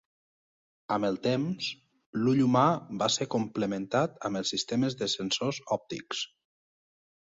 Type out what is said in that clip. Amb el temps, l'ull humà va ser complementat amb els sistemes de sensors òptics.